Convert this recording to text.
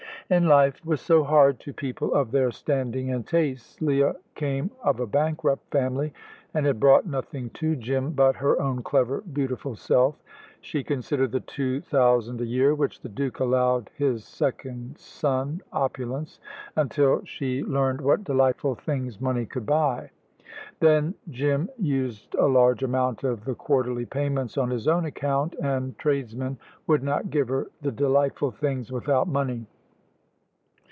And life was so hard to people of their standing and tastes. Leah came of a bankrupt family, and had brought nothing to Jim but her own clever, beautiful self. She considered the two thousand a year which the Duke allowed his second son opulence, until she learned what delightful things money could buy. Then Jim used a large amount of the quarterly payments on his own account, and tradesmen would not give her the delightful things without money.